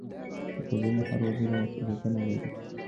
د ټولنې هر وګړی مسؤلیتونه لري.